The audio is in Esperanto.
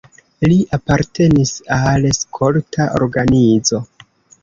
Li apartenis al skolta organizo.